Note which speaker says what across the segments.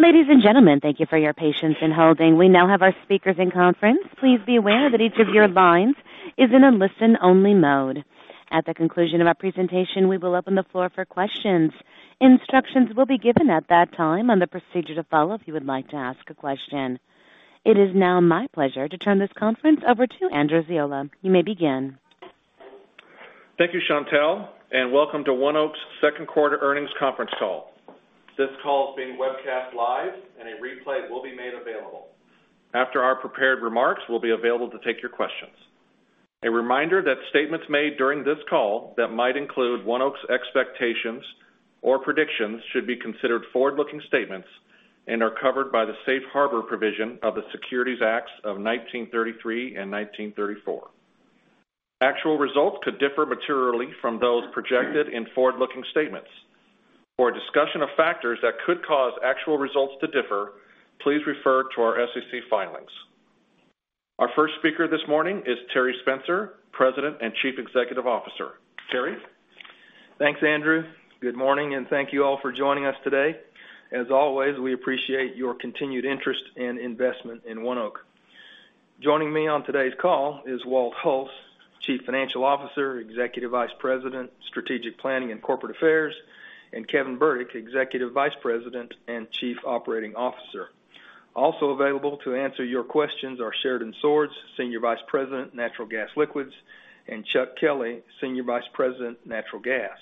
Speaker 1: Ladies and gentlemen, thank you for your patience in holding. We now have our speakers in conference. Please be aware that each of your lines is in a listen-only mode. At the conclusion of our presentation, we will open the floor for questions. Instructions will be given at that time on the procedure to follow, if you would like to ask a question. It is now my pleasure to turn this conference over to Andrew Ziola. You may begin.
Speaker 2: Thank you, Chantel, and welcome to ONEOK's second quarter earnings conference call. This call is being webcast live, and a replay will be made available. After our prepared remarks, we'll be available to take your questions. A reminder that statements made during this call that might include ONEOK's expectations or predictions should be considered forward-looking statements and are covered by the Safe Harbor provision of the Securities Acts of 1933 and 1934. Actual results could differ materially from those projected in forward-looking statements. For a discussion of factors that could cause actual results to differ, please refer to our SEC filings. Our first speaker this morning is Terry Spencer, President and Chief Executive Officer. Terry?
Speaker 3: Thanks, Andrew. Good morning, and thank you all for joining us today. As always, we appreciate your continued interest and investment in ONEOK. Joining me on today's call is Walt Hulse, Chief Financial Officer, Executive Vice President, Strategic Planning and Corporate Affairs, and Kevin Burdick, Executive Vice President and Chief Operating Officer. Also available to answer your questions are Sheridan Swords, Senior Vice President, Natural Gas Liquids, and Chuck Kelley, Senior Vice President, Natural Gas.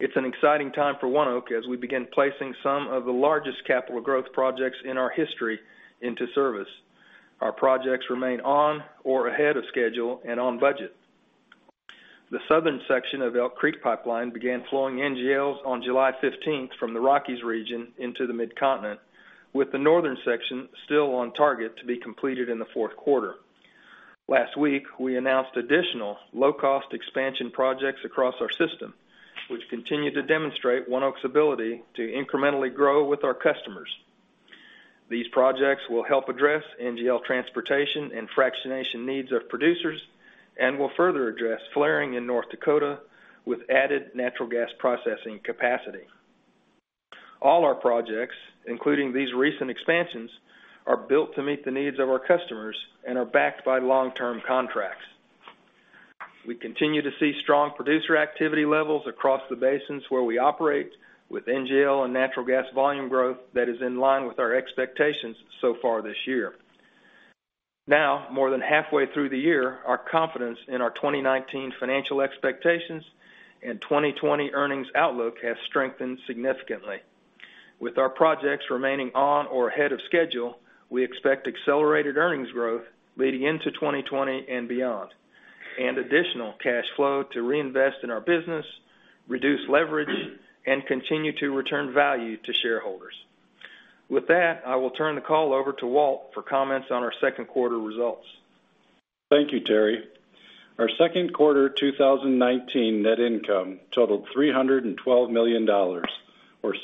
Speaker 3: It's an exciting time for ONEOK as we begin placing some of the largest capital growth projects in our history into service. Our projects remain on or ahead of schedule and on budget. The southern section of Elk Creek Pipeline began flowing NGLs on July 15th from the Rockies region into the Mid-Continent, with the northern section still on target to be completed in the fourth quarter. Last week, we announced additional low-cost expansion projects across our system, which continue to demonstrate ONEOK's ability to incrementally grow with our customers. These projects will help address NGL transportation and fractionation needs of producers, and will further address flaring in North Dakota with added natural gas processing capacity. All our projects, including these recent expansions, are built to meet the needs of our customers and are backed by long-term contracts. We continue to see strong producer activity levels across the basins where we operate with NGL and natural gas volume growth that is in line with our expectations so far this year. Now, more than halfway through the year, our confidence in our 2019 financial expectations and 2020 earnings outlook has strengthened significantly. With our projects remaining on or ahead of schedule, we expect accelerated earnings growth leading into 2020 and beyond, and additional cash flow to reinvest in our business, reduce leverage, and continue to return value to shareholders. With that, I will turn the call over to Walt for comments on our second quarter results.
Speaker 4: Thank you, Terry. Our second quarter 2019 net income totaled $312 million, or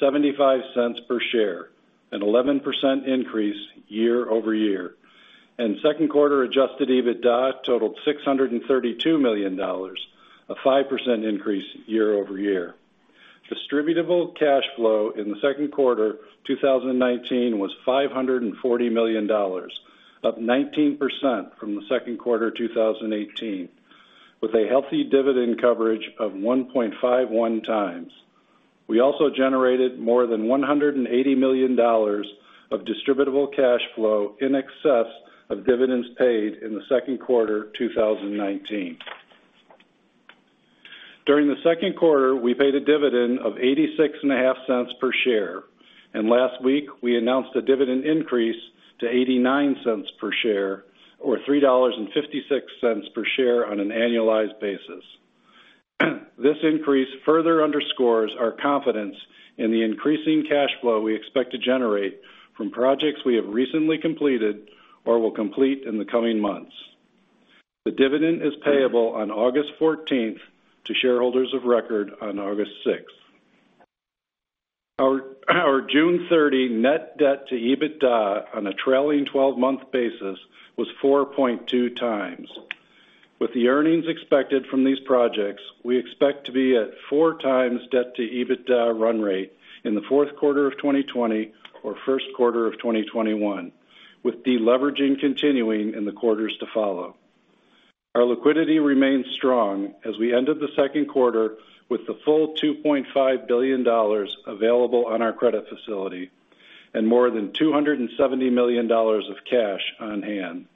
Speaker 4: $0.75 per share, an 11% increase year-over-year. Second quarter adjusted EBITDA totaled $632 million, a 5% increase year-over-year. Distributable cash flow in the second quarter 2019 was $540 million, up 19% from the second quarter 2018, with a healthy dividend coverage of 1.51 times. We also generated more than $180 million of distributable cash flow in excess of dividends paid in the second quarter 2019. During the second quarter, we paid a dividend of $0.865 per share, and last week we announced a dividend increase to $0.89 per share or $3.56 per share on an annualized basis. This increase further underscores our confidence in the increasing cash flow we expect to generate from projects we have recently completed or will complete in the coming months. The dividend is payable on August 14th to shareholders of record on August 6th. Our June 30 net debt to EBITDA on a trailing 12-month basis was 4.2x. With the earnings expected from these projects, we expect to be at 4x debt to EBITDA run rate in the fourth quarter of 2020 or first quarter of 2021, with deleveraging continuing in the quarters to follow. Our liquidity remains strong as we ended the second quarter with the full $2.5 billion available on our credit facility and more than $270 million of cash on hand.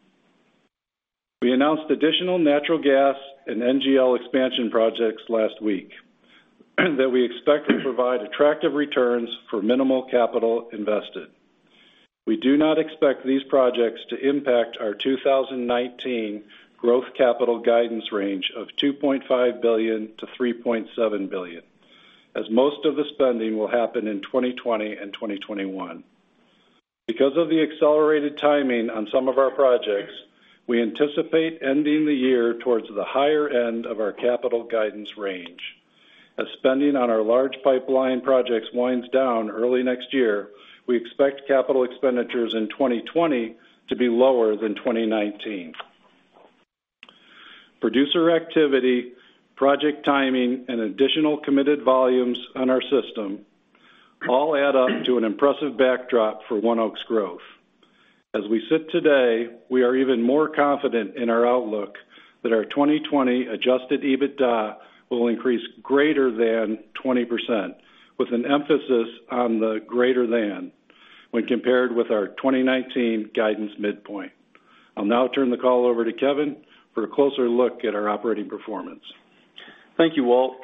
Speaker 4: We announced additional natural gas and NGL expansion projects last week that we expect to provide attractive returns for minimal capital invested. We do not expect these projects to impact our 2019 growth capital guidance range of $2.5 billion-$3.7 billion, as most of the spending will happen in 2020 and 2021. Because of the accelerated timing on some of our projects, we anticipate ending the year towards the higher end of our capital guidance range. As spending on our large pipeline projects winds down early next year, we expect capital expenditures in 2020 to be lower than 2019. Producer activity, project timing, and additional committed volumes on our system all add up to an impressive backdrop for ONEOK's growth. As we sit today, we are even more confident in our outlook that our 2020 adjusted EBITDA will increase greater than 20%, with an emphasis on the greater than, when compared with our 2019 guidance midpoint. I'll now turn the call over to Kevin for a closer look at our operating performance.
Speaker 5: Thank you, Walt.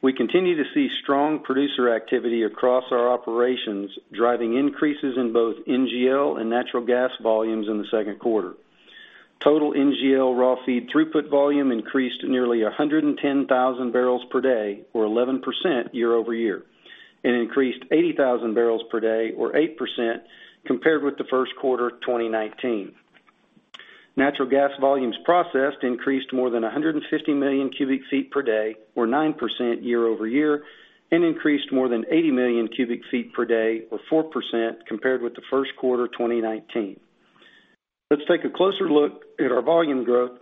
Speaker 5: We continue to see strong producer activity across our operations, driving increases in both NGL and natural gas volumes in the second quarter. Total NGL raw feed throughput volume increased nearly 110,000 bpd, or 11% year-over-year, and increased 80,000 bpd, or 8%, compared with the first quarter 2019. Natural gas volumes processed increased more than 150 million cu ft per day, or 9% year-over-year, and increased more than 80 million cu ft per day, or 4%, compared with the first quarter 2019. Let's take a closer look at our volume growth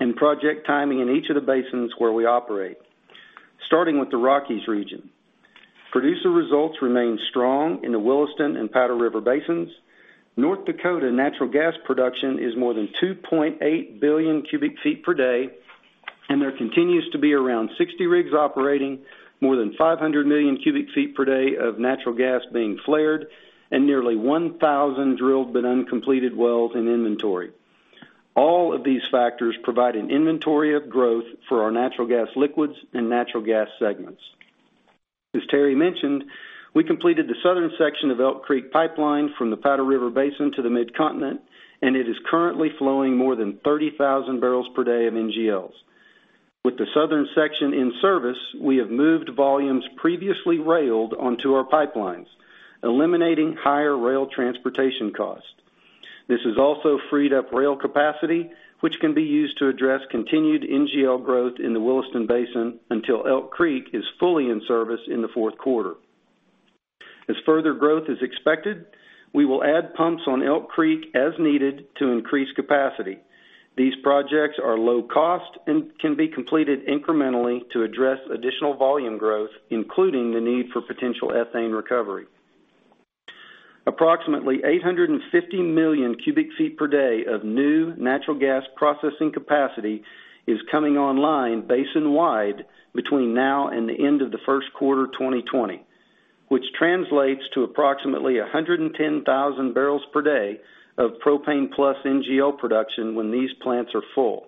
Speaker 5: and project timing in each of the basins where we operate. Starting with the Rockies region. Producer results remain strong in the Williston and Powder River basins. North Dakota natural gas production is more than 2.8 billion cu ft per day. There continues to be around 60 rigs operating, more than 500 million cu ft per day of natural gas being flared. Nearly 1,000 drilled but uncompleted wells in inventory. All of these factors provide an inventory of growth for our natural gas liquids and natural gas segments. As Terry mentioned, we completed the southern section of Elk Creek Pipeline from the Powder River Basin to the Mid-Continent. It is currently flowing more than 30,000 bpd of NGLs. With the southern section in service, we have moved volumes previously railed onto our pipelines, eliminating higher rail transportation costs. This has also freed up rail capacity, which can be used to address continued NGL growth in the Williston Basin until Elk Creek is fully in service in the fourth quarter. As further growth is expected, we will add pumps on Elk Creek as needed to increase capacity. These projects are low cost and can be completed incrementally to address additional volume growth, including the need for potential ethane recovery. Approximately 850 million cu ft per day of new natural gas processing capacity is coming online basin-wide between now and the end of the first quarter of 2020, which translates to approximately 110,000 bpd of propane plus NGL production when these plants are full.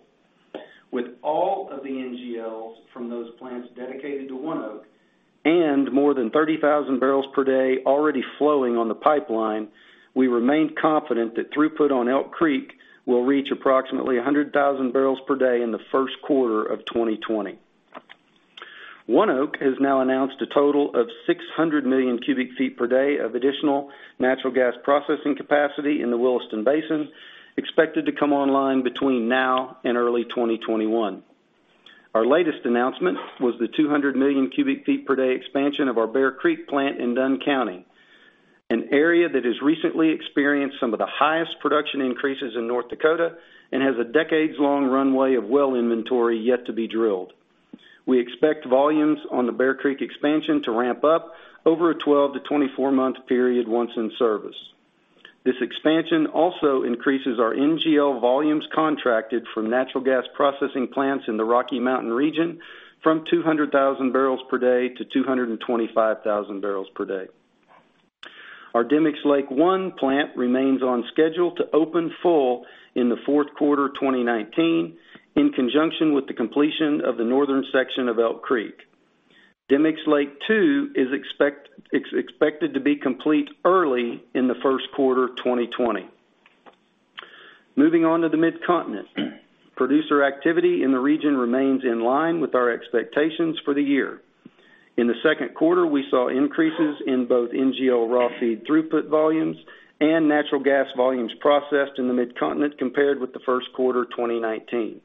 Speaker 5: With all of the NGLs from those plants dedicated to ONEOK and more than 30,000 bpd already flowing on the pipeline, we remain confident that throughput on Elk Creek will reach approximately 100,000 bpd in the first quarter of 2020. ONEOK has now announced a total of 600 million cu ft per day of additional natural gas processing capacity in the Williston Basin, expected to come online between now and early 2021. Our latest announcement was the 200 million cu ft per day expansion of our Bear Creek plant in Dunn County, an area that has recently experienced some of the highest production increases in North Dakota and has a decades long runway of well inventory yet to be drilled. We expect volumes on the Bear Creek expansion to ramp up over a 12-24-month period, once in service. This expansion also increases our NGL volumes contracted from natural gas processing plants in the Rocky Mountain region from 200,000 bpd-225,000 bpd. Our Demicks Lake I plant remains on schedule to open full in the fourth quarter 2019, in conjunction with the completion of the northern section of Elk Creek. Demicks Lake II is expected to be complete early in the first quarter 2020. Moving on to the Mid-Continent. Producer activity in the region remains in line with our expectations for the year. In the second quarter, we saw increases in both NGL raw feed throughput volumes and natural gas volumes processed in the Mid-Continent compared with the first quarter 2019.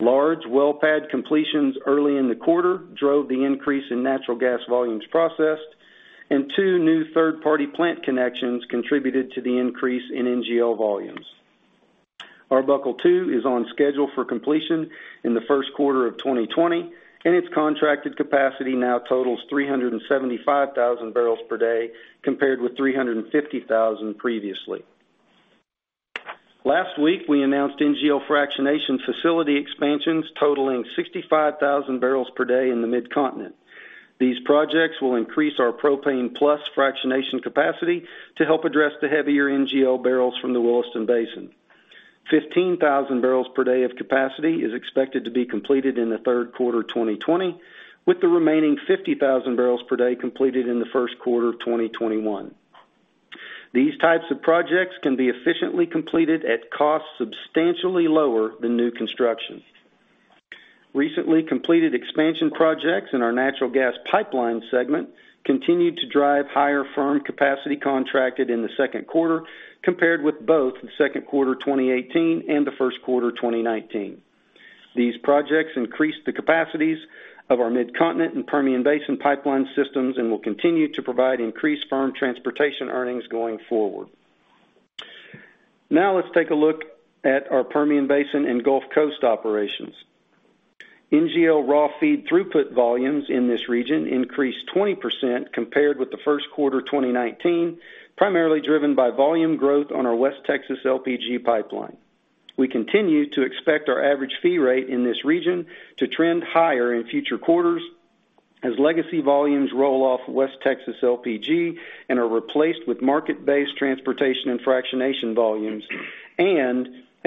Speaker 5: Large well pad completions early in the quarter drove the increase in natural gas volumes processed, and two new third-party plant connections contributed to the increase in NGL volumes. Arbuckle II is on schedule for completion in the first quarter of 2020, and its contracted capacity now totals 375,000 bpd compared with 350,000 bpd previously. Last week, we announced NGL fractionation facility expansions totaling 65,000 bpd in the Mid-Continent. These projects will increase our propane plus fractionation capacity to help address the heavier NGL barrels from the Williston Basin. 15,000 bpd of capacity is expected to be completed in the third quarter 2020, with the remaining 50,000 bpd completed in the first quarter of 2021. These types of projects can be efficiently completed at costs substantially lower than new construction. Recently completed expansion projects in our natural gas pipeline segment continued to drive higher firm capacity contracted in the second quarter compared with both the second quarter 2018 and the first quarter 2019. These projects increased the capacities of our Mid-Continent and Permian Basin pipeline systems and will continue to provide increased firm transportation earnings going forward. Let's take a look at our Permian Basin and Gulf Coast operations. NGL raw feed throughput volumes in this region increased 20% compared with the first quarter 2019, primarily driven by volume growth on our West Texas LPG pipeline. We continue to expect our average fee rate in this region to trend higher in future quarters as legacy volumes roll off West Texas LPG and are replaced with market-based transportation and fractionation volumes,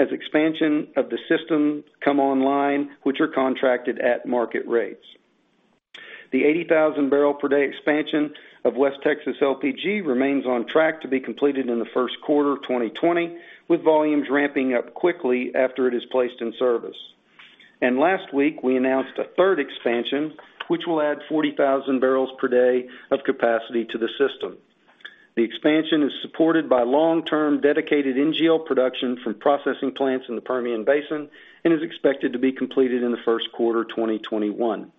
Speaker 5: as expansion of the system come online, which are contracted at market rates. The 80,000 bpd expansion of West Texas LPG remains on track to be completed in the first quarter 2020, with volumes ramping up quickly after it is placed in service. Last week, we announced a third expansion, which will add 40,000 bpd of capacity to the system. The expansion is supported by long-term dedicated NGL production from processing plants in the Permian Basin and is expected to be completed in the first quarter 2021.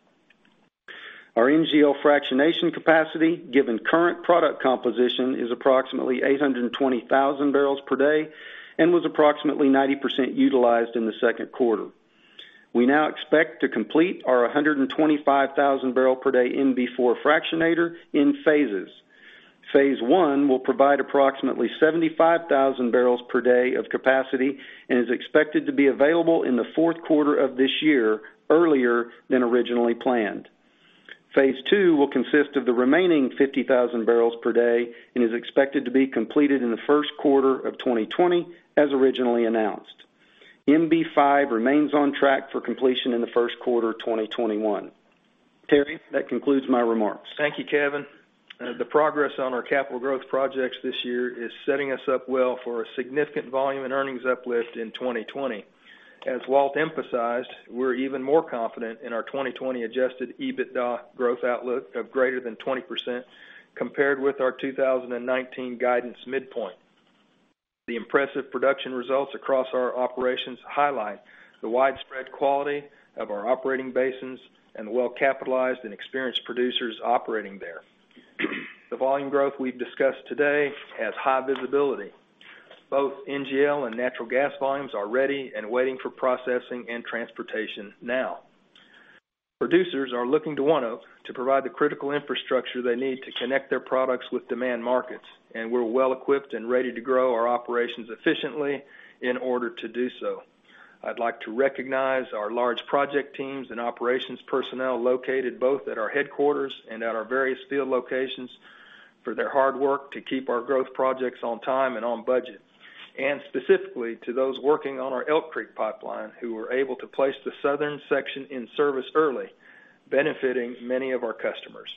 Speaker 5: Our NGL fractionation capacity, given current product composition, is approximately 820,000 bpd and was approximately 90% utilized in the second quarter. We now expect to complete our 125,000 bpd MB-4 fractionator in phases. Phase 1 will provide approximately 75,000 bpd of capacity and is expected to be available in the fourth quarter of this year, earlier than originally planned. Phase 2 will consist of the remaining 50,000 bpd and is expected to be completed in the first quarter of 2020, as originally announced. MB-5 remains on track for completion in the first quarter 2021. Terry, that concludes my remarks.
Speaker 3: Thank you, Kevin. The progress on our capital growth projects this year is setting us up well for a significant volume in earnings uplift in 2020. As Walt emphasized, we're even more confident in our 2020 adjusted EBITDA growth outlook of greater than 20% compared with our 2019 guidance midpoint. The impressive production results across our operations highlight the widespread quality of our operating basins and the well-capitalized and experienced producers operating there. The volume growth we've discussed today has high visibility. Both NGL and natural gas volumes are ready and waiting for processing and transportation now. Producers are looking to ONEOK to provide the critical infrastructure they need to connect their products with demand markets, and we're well-equipped and ready to grow our operations efficiently in order to do so. I'd like to recognize our large project teams and operations personnel located both at our headquarters and at our various field locations for their hard work to keep our growth projects on time and on budget. Specifically, to those working on our Elk Creek Pipeline who were able to place the southern section in service early, benefiting many of our customers.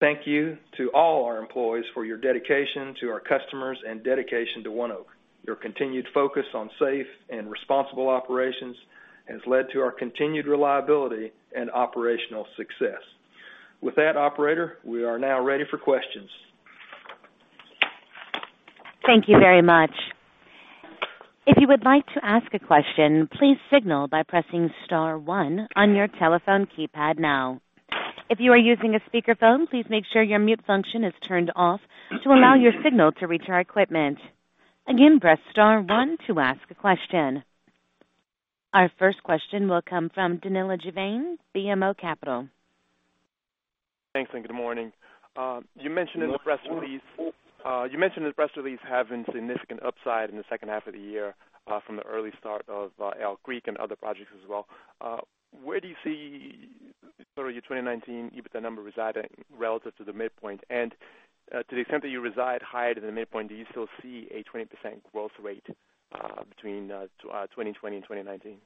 Speaker 3: Thank you to all our employees for your dedication to our customers and dedication to ONEOK. Your continued focus on safe and responsible operations has led to our continued reliability and operational success. With that, operator, we are now ready for questions.
Speaker 1: Thank you very much. If you would like to ask a question, please signal by pressing star one on your telephone keypad now. If you are using a speakerphone, please make sure your mute function is turned off to allow your signal to reach our equipment. Again, press star one to ask a question. Our first question will come from Danilo Juvane, BMO Capital.
Speaker 6: Thanks, good morning. You mentioned in the press release having significant upside in the second half of the year from the early start of Elk Creek and other projects as well. Where do you see sort of your 2019 EBITDA number residing relative to the midpoint? To the extent that you reside higher than the midpoint, do you still see a 20% growth rate between 2020 and 2019?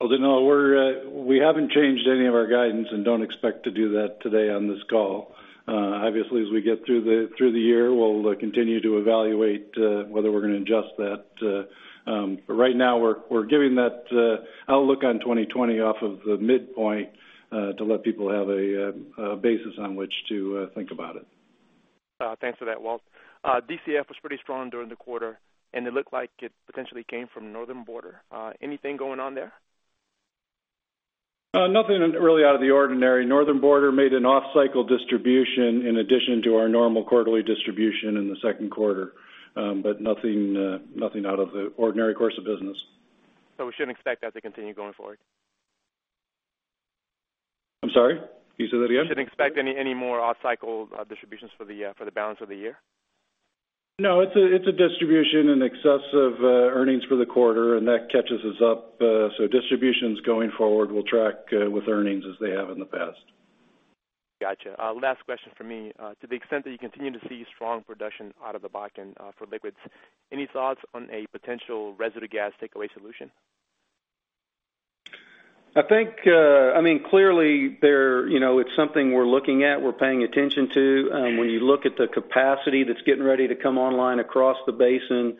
Speaker 4: Well, Danilo, we haven't changed any of our guidance and don't expect to do that today on this call. As we get through the year, we'll continue to evaluate whether we're going to adjust that. Right now, we're giving that outlook on 2020 off of the midpoint to let people have a basis on which to think about it.
Speaker 6: Thanks for that, Walt. DCF was pretty strong during the quarter. It looked like it potentially came from Northern Border. Anything going on there?
Speaker 4: Nothing really out of the ordinary. Northern Border made an off-cycle distribution in addition to our normal quarterly distribution in the second quarter. Nothing out of the ordinary course of business.
Speaker 6: We shouldn't expect that to continue going forward?
Speaker 4: I'm sorry. Can you say that again?
Speaker 6: Shouldn't expect any more off-cycle distributions for the balance of the year?
Speaker 4: No, it's a distribution in excess of earnings for the quarter, and that catches us up. Distributions going forward will track with earnings as they have in the past.
Speaker 6: Got you. Last question from me. To the extent that you continue to see strong production out of the Bakken for liquids, any thoughts on a potential residue gas takeaway solution?
Speaker 5: Clearly, it's something we're looking at, we're paying attention to. When you look at the capacity that's getting ready to come online across the basin,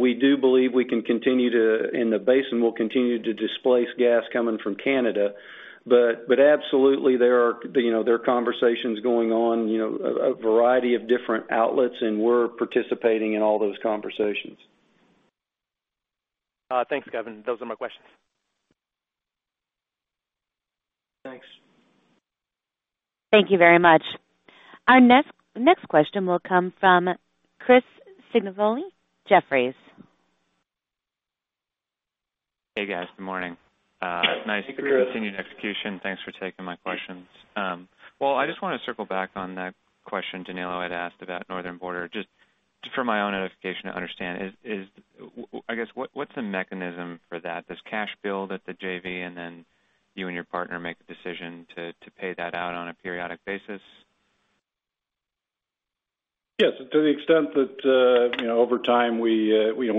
Speaker 5: we do believe. The basin will continue to displace gas coming from Canada. Absolutely, there are conversations going on, a variety of different outlets, and we're participating in all those conversations.
Speaker 6: Thanks, Kevin. Those are my questions.
Speaker 5: Thanks.
Speaker 1: Thank you very much. Our next question will come from Chris Sighinolfi, Jefferies.
Speaker 7: Hey, guys. Good morning.
Speaker 4: Hey, Chris.
Speaker 7: Nice continued execution. Thanks for taking my questions. I just want to circle back on that question Danilo had asked about Northern Border, just for my own edification to understand. I guess, what's the mechanism for that? Does cash build at the JV, and then you and your partner make the decision to pay that out on a periodic basis?
Speaker 4: Yes, to the extent that over time we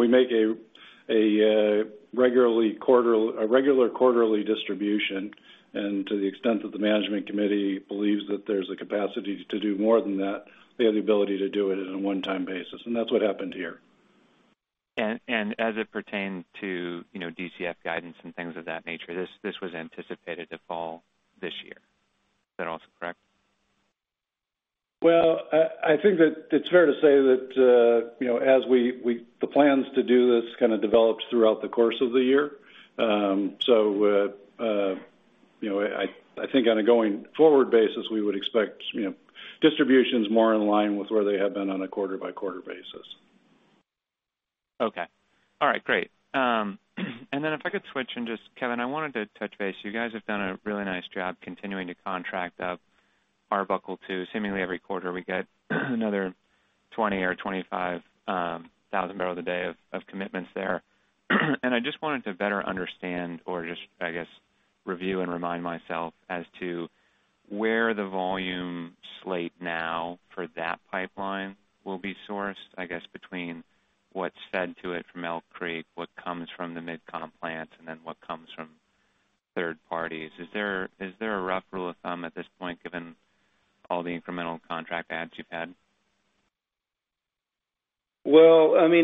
Speaker 4: make a regular quarterly distribution, and to the extent that the management committee believes that there's a capacity to do more than that, they have the ability to do it on a one-time basis, and that's what happened here.
Speaker 7: As it pertained to DCF guidance and things of that nature, this was anticipated to fall this year. Is that also correct?
Speaker 4: Well, I think that it's fair to say that the plans to do this kind of developed throughout the course of the year. I think on a going forward basis, we would expect distributions more in line with where they have been on a quarter-by-quarter basis.
Speaker 7: Okay. All right, great. If I could switch and just, Kevin, I wanted to touch base. You guys have done a really nice job continuing to contract up Arbuckle II. Seemingly every quarter, we get another 20,000 bpd or 25,000 bpd of commitments there. I just wanted to better understand or just, I guess, review and remind myself as to where the volume slate now for that pipeline will be sourced, I guess, between what's fed to it from Elk Creek, what comes from the Mid-Continent plants, and then what comes from third parties. Is there a rough rule of thumb at this point, given all the incremental contract adds you've had?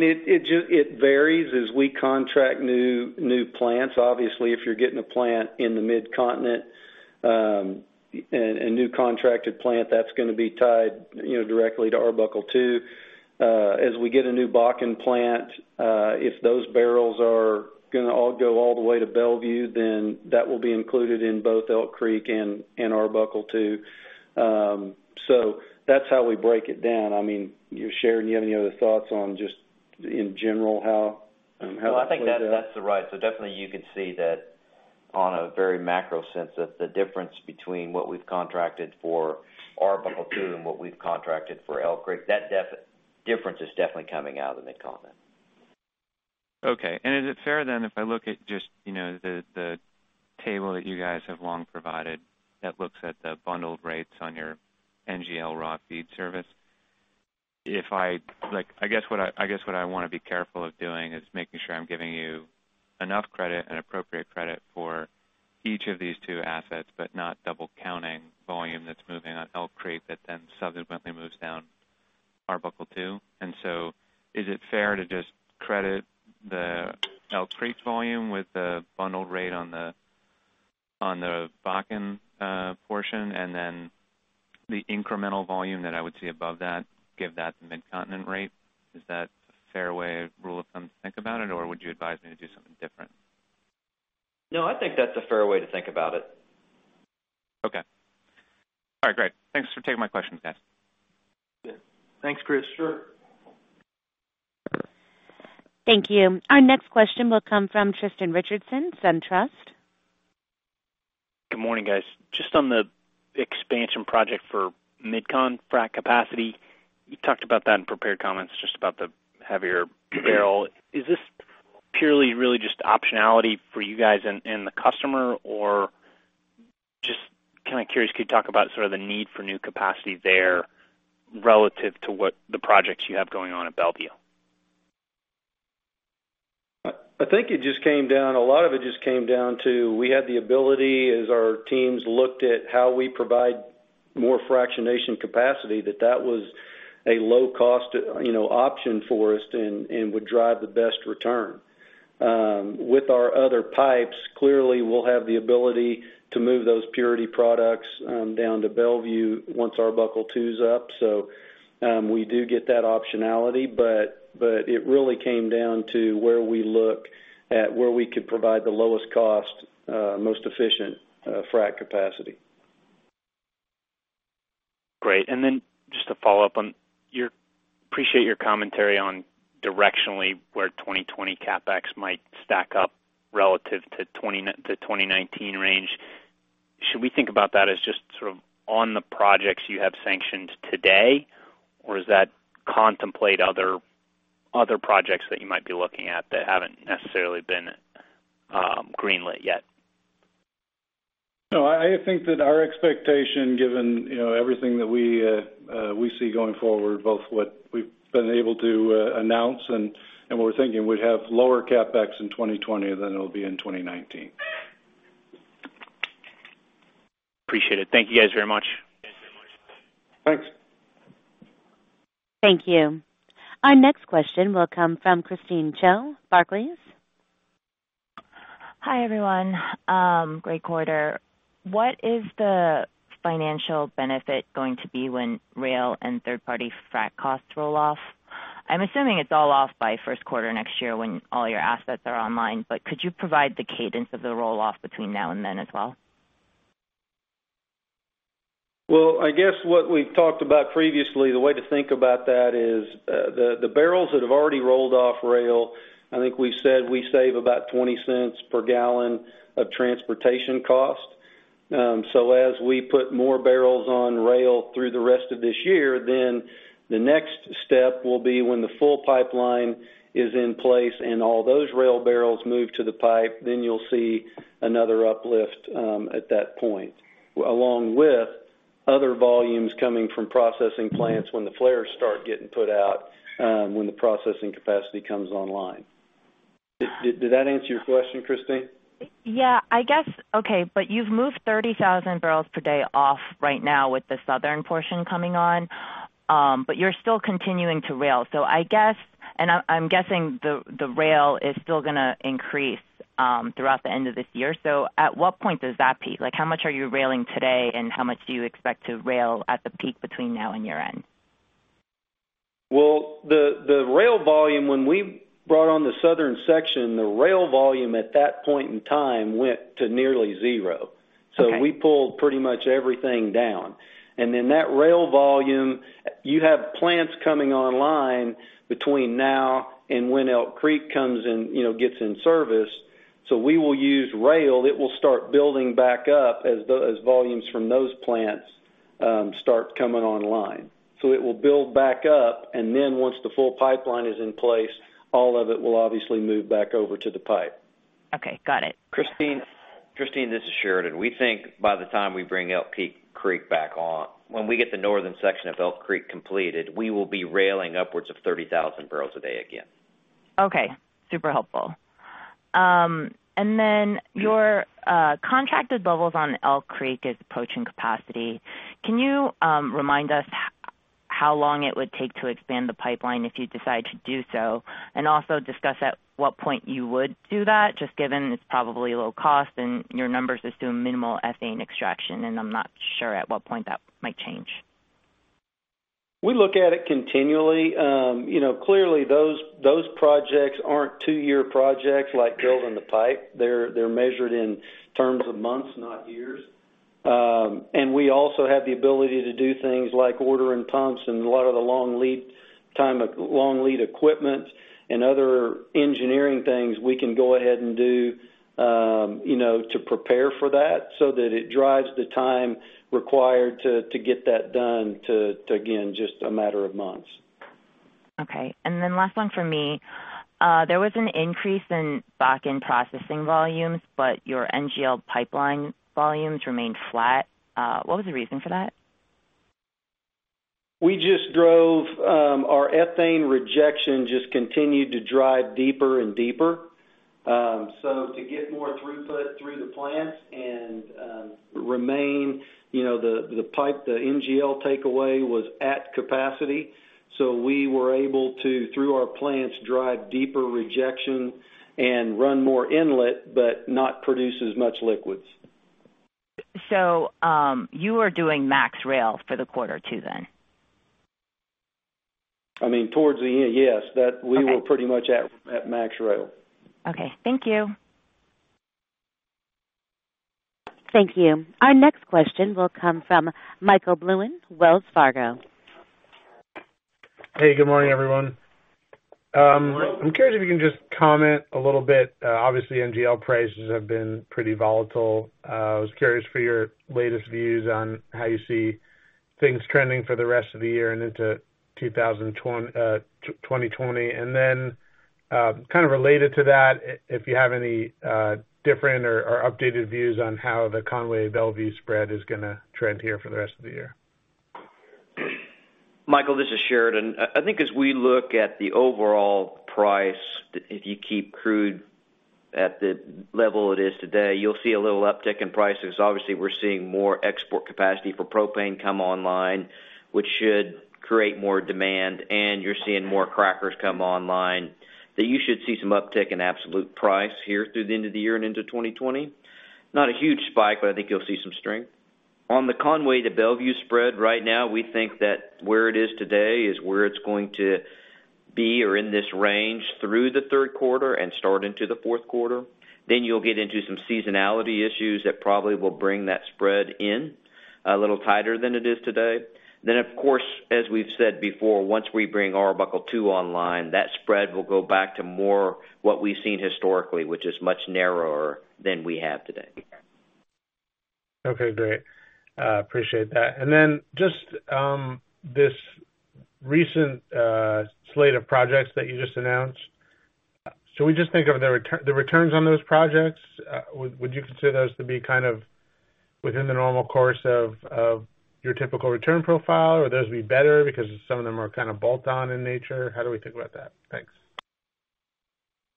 Speaker 5: It varies as we contract new plants. Obviously, if you're getting a plant in the Mid-Continent, a new contracted plant, that's going to be tied directly to Arbuckle II. We get a new Bakken plant, if those barrels are going to all go all the way to Belvieu, that will be included in both Elk Creek and Arbuckle II. That's how we break it down. Sheridan, you have any other thoughts on just in general how that plays out?
Speaker 8: Definitely you could see that on a very macro sense that the difference between what we've contracted for Arbuckle II and what we've contracted for Elk Creek, that difference is definitely coming out of the Mid-Continent.
Speaker 7: Okay. Is it fair then if I look at just the table that you guys have long provided that looks at the bundled rates on your NGL raw feed service? I guess what I want to be careful of doing is making sure I'm giving you enough credit and appropriate credit for each of these two assets, but not double counting volume that's moving on Elk Creek that then subsequently moves down Arbuckle II. Is it fair to just credit the Elk Creek volume with the bundled rate on the Bakken portion, then the incremental volume that I would see above that, give that the Mid-Continent rate? Is that a fair rule of thumb to think about it, or would you advise me to do something different?
Speaker 8: No, I think that's a fair way to think about it.
Speaker 7: Okay. All right, great. Thanks for taking my questions, guys.
Speaker 5: Good. Thanks, Chris.
Speaker 4: Sure.
Speaker 1: Thank you. Our next question will come from Tristan Richardson, SunTrust.
Speaker 9: Good morning, guys. Just on the expansion project for Mid-Continent frac capacity, you talked about that in prepared comments, just about the heavier barrel. Is this purely really just optionality for you guys and the customer? Just kind of curious, could you talk about sort of the need for new capacity there relative to what the projects you have going on at Belvieu?
Speaker 3: I think a lot of it just came down to we had the ability as our teams looked at how we provide more fractionation capacity, that that was a low-cost option for us and would drive the best return. With our other pipes, clearly, we'll have the ability to move those purity products down to Belvieu once Arbuckle II's up. We do get that optionality, but it really came down to where we look at where we could provide the lowest cost, most efficient frac capacity.
Speaker 9: Great. Just to follow up on, appreciate your commentary on directionally where 2020 CapEx might stack up relative to 2019 range. Should we think about that as just sort of on the projects you have sanctioned today, or does that contemplate other projects that you might be looking at that haven't necessarily been greenlit yet?
Speaker 3: No, I think that our expectation, given everything that we see going forward, both what we've been able to announce and what we're thinking, we'd have lower CapEx in 2020 than it'll be in 2019.
Speaker 9: Appreciate it. Thank you guys very much.
Speaker 3: Thanks.
Speaker 1: Thank you. Our next question will come from Christine Cho, Barclays.
Speaker 10: Hi, everyone. Great quarter. What is the financial benefit going to be when rail and third-party frac costs roll off? I'm assuming it's all off by first quarter next year when all your assets are online. Could you provide the cadence of the roll-off between now and then as well?
Speaker 3: I guess what we've talked about previously, the way to think about that is, the barrels that have already rolled off rail, I think we said we save about $0.20 per gallon of transportation cost. As we put more barrels on rail through the rest of this year, the next step will be when the full pipeline is in place and all those rail barrels move to the pipe, you'll see another uplift at that point, along with other volumes coming from processing plants when the flares start getting put out, when the processing capacity comes online. Did that answer your question, Christine?
Speaker 10: Yeah, I guess. Okay, you've moved 30,000 bpd off right now with the southern portion coming on. You're still continuing to rail. I'm guessing the rail is still going to increase throughout the end of this year. At what point does that peak? How much are you railing today, and how much do you expect to rail at the peak between now and year-end?
Speaker 3: Well, the rail volume, when we brought on the southern section, the rail volume at that point in time went to nearly zero.
Speaker 10: Okay.
Speaker 3: We pulled pretty much everything down. That rail volume, you have plants coming online between now and when Elk Creek comes and gets in service. We will use rail. It will start building back up as volumes from those plants start coming online. It will build back up, and then once the full pipeline is in place, all of it will obviously move back over to the pipe.
Speaker 10: Okay, got it.
Speaker 8: Christine, this is Sheridan. We think by the time we bring Elk Creek back on, when we get the northern section of Elk Creek completed, we will be railing upwards of 30,000 bpd again.
Speaker 10: Okay. Super helpful. Your contracted levels on Elk Creek is approaching capacity. Can you remind us how long it would take to expand the pipeline if you decide to do so? Discuss at what point you would do that, just given it's probably low cost and your numbers assume minimal ethane extraction, and I'm not sure at what point that might change.
Speaker 3: We look at it continually. Clearly, those projects aren't two-year projects like building the pipe. They're measured in terms of months, not years. We also have the ability to do things like ordering pumps and a lot of the long lead equipment and other engineering things we can go ahead and do to prepare for that so that it drives the time required to get that done to, again, just a matter of months.
Speaker 10: Okay. Last one from me. There was an increase in back-end processing volumes, but your NGL pipeline volumes remained flat. What was the reason for that?
Speaker 3: Our ethane rejection just continued to drive deeper and deeper. To get more throughput through the plants and the pipe, the NGL takeaway was at capacity. We were able to, through our plants, drive deeper rejection and run more inlet, but not produce as much liquids.
Speaker 10: You are doing max rail for the quarter too, then?
Speaker 3: Towards the end, yes.
Speaker 10: Okay.
Speaker 3: We were pretty much at max rail.
Speaker 10: Okay. Thank you.
Speaker 1: Thank you. Our next question will come from Michael Blum, Wells Fargo.
Speaker 11: Hey, good morning, everyone. I'm curious if you can just comment a little bit. Obviously, NGL prices have been pretty volatile. I was curious for your latest views on how you see things trending for the rest of the year and into 2020. Then kind of related to that, if you have any different or updated views on how the Conway-Belvieu spread is going to trend here for the rest of the year.
Speaker 8: Michael, this is Sheridan. I think as we look at the overall price, if you keep crude at the level it is today, you'll see a little uptick in prices. Obviously, we're seeing more export capacity for propane come online, which should create more demand, and you're seeing more crackers come online, that you should see some uptick in absolute price here through the end of the year and into 2020. Not a huge spike, but I think you'll see some strength. On the Conway to Belvieu spread right now, we think that where it is today is where it's going to be or in this range through the third quarter and start into the fourth quarter. You'll get into some seasonality issues that probably will bring that spread in a little tighter than it is today. Of course, as we've said before, once we bring Arbuckle II online, that spread will go back to more what we've seen historically, which is much narrower than we have today.
Speaker 11: Okay, great. Appreciate that. Just this recent slate of projects that you just announced, should we just think of the returns on those projects? Would you consider those to be kind of within the normal course of your typical return profile, or those would be better because some of them are kind of bolt-on in nature? How do we think about that?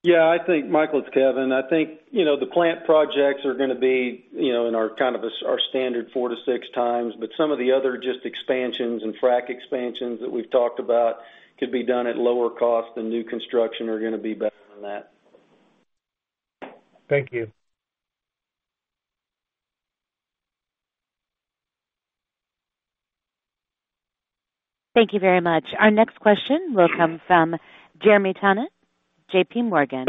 Speaker 11: Thanks.
Speaker 5: I think, Michael, it's Kevin. I think the plant projects are going to be in our kind of our standard four to six times, but some of the other just expansions and frac expansions that we've talked about could be done at lower cost than new construction are going to be better than that.
Speaker 11: Thank you.
Speaker 1: Thank you very much. Our next question will come from Jeremy Tonet, J.P. Morgan.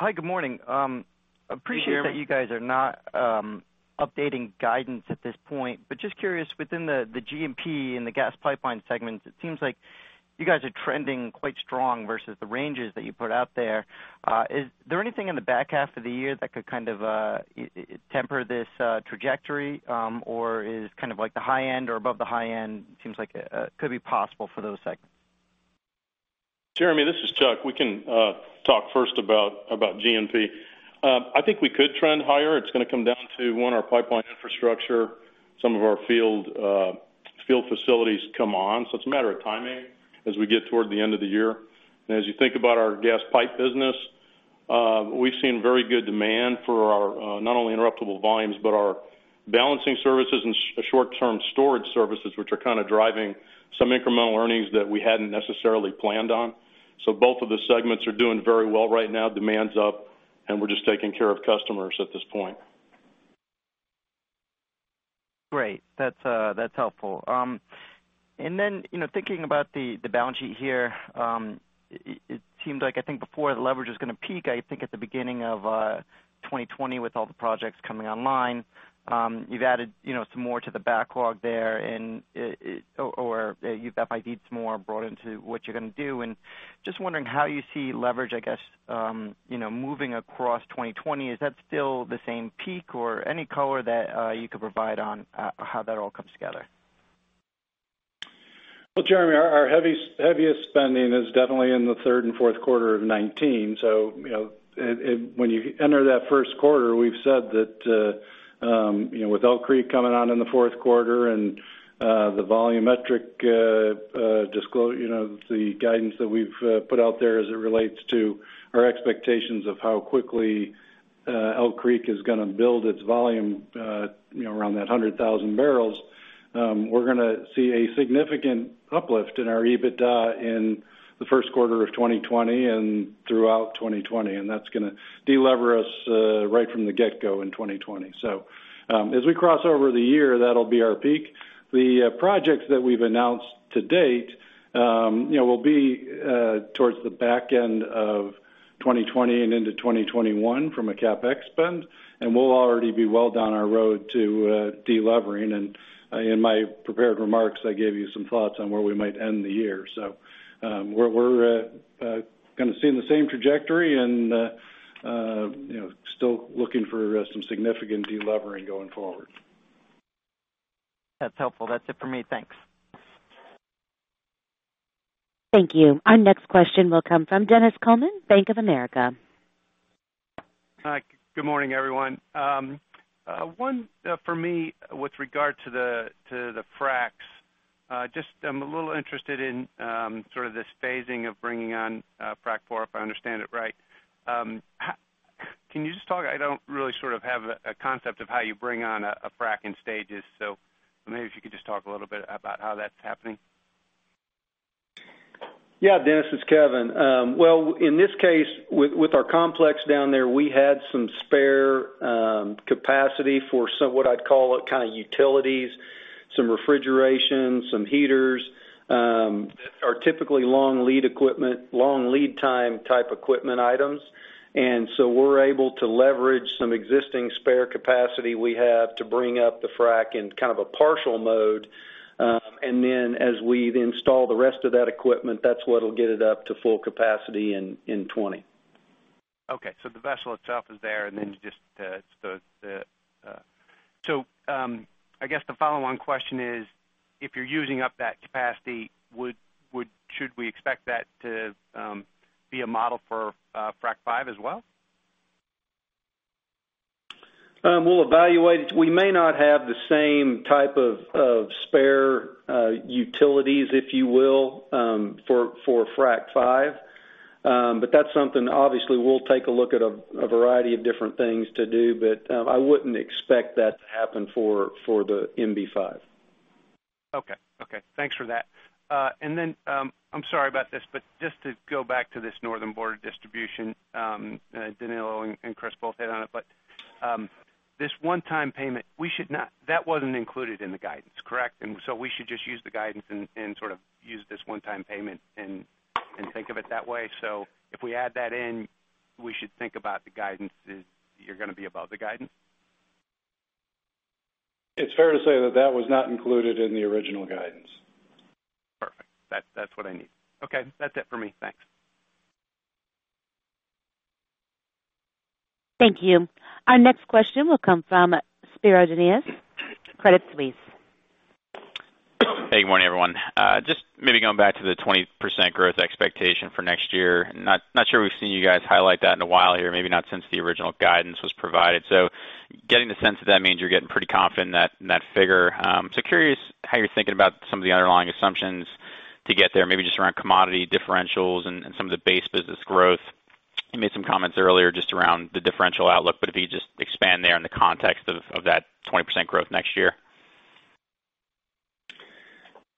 Speaker 12: Hi, good morning.
Speaker 4: Hey, Jeremy.
Speaker 12: Appreciate that you guys are not updating guidance at this point, but just curious, within the G&P and the gas pipeline segments, it seems like you guys are trending quite strong versus the ranges that you put out there. Is there anything in the back half of the year that could kind of temper this trajectory? Is kind of like the high end or above the high end seems like could be possible for those segments?
Speaker 13: Jeremy, this is Chuck. We can talk first about G&P. I think we could trend higher. It's going to come down to, one, our pipeline infrastructure, some of our field facilities come on. It's a matter of timing as we get toward the end of the year. As you think about our gas pipe business, we've seen very good demand for our, not only interruptible volumes, but our balancing services and short-term storage services, which are kind of driving some incremental earnings that we hadn't necessarily planned on. Both of the segments are doing very well right now. Demand's up, and we're just taking care of customers at this point.
Speaker 12: Great. That's helpful. Thinking about the balance sheet here, it seemed like, I think before the leverage was going to peak, I think at the beginning of 2020 with all the projects coming online. You've added some more to the backlog there or you've FID'd some more brought into what you're going to do, and just wondering how you see leverage, I guess, moving across 2020. Is that still the same peak or any color that you could provide on how that all comes together?
Speaker 4: Jeremy, our heaviest spending is definitely in the third and fourth quarter of 2019. When you enter that first quarter, we've said that with Elk Creek coming on in the fourth quarter and the volumetric guidance that we've put out there as it relates to our expectations of how quickly Elk Creek is going to build its volume around that 100,000 bbl, we're going to see a significant uplift in our EBITDA in the first quarter of 2020 and throughout 2020, and that's going to de-lever us right from the get-go in 2020. As we cross over the year, that'll be our peak. The projects that we've announced to date will be towards the back end of 2020 and into 2021 from a CapEx spend, and we'll already be well down our road to de-levering. In my prepared remarks, I gave you some thoughts on where we might end the year. We're kind of seeing the same trajectory and still looking for some significant de-levering going forward.
Speaker 12: That's helpful. That's it for me. Thanks.
Speaker 1: Thank you. Our next question will come from Dennis Coleman, Bank of America.
Speaker 14: Hi. Good morning, everyone. One for me with regard to the fracs. I'm a little interested in sort of this phasing of bringing on Frac 4, if I understand it right. I don't really sort of have a concept of how you bring on a frac in stages, maybe if you could just talk a little bit about how that's happening.
Speaker 5: Yeah, Dennis, it's Kevin. Well, in this case, with our complex down there, we had some spare capacity for some, what I'd call it, kind of utilities, some refrigeration, some heaters, that are typically long lead time type equipment items. We're able to leverage some existing spare capacity we have to bring up the frac in kind of a partial mode. As we install the rest of that equipment, that's what'll get it up to full capacity in 2020.
Speaker 14: Okay. The vessel itself is there, and then I guess the follow-on question is, if you're using up that capacity, should we expect that to be a model for Frac 5 as well?
Speaker 5: We'll evaluate it. We may not have the same type of spare utilities, if you will, for MB-5. That's something, obviously, we'll take a look at a variety of different things to do, but I wouldn't expect that to happen for the MB-5.
Speaker 14: Okay. Thanks for that. I'm sorry about this, but just to go back to this Northern Border Distribution. Danilo and Chris both hit on it. This one-time payment, that wasn't included in the guidance, correct? We should just use the guidance and sort of use this one-time payment and think of it that way. If we add that in, we should think about the guidance is you're going to be above the guidance?
Speaker 4: It's fair to say that that was not included in the original guidance.
Speaker 14: Perfect. That's what I need. Okay. That's it for me. Thanks.
Speaker 1: Thank you. Our next question will come from Spiro Dounis, Credit Suisse.
Speaker 15: Hey, good morning, everyone. Just maybe going back to the 20% growth expectation for next year. Not sure we've seen you guys highlight that in a while here, maybe not since the original guidance was provided. Getting the sense that that means you're getting pretty confident in that figure. Curious how you're thinking about some of the underlying assumptions to get there, maybe just around commodity differentials and some of the base business growth. You made some comments earlier just around the differential outlook, if you could just expand there in the context of that 20% growth next year?